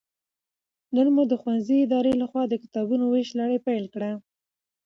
نن مو د ښوونځي ادارې لخوا د کتابونو ويش لړۍ پيل شوه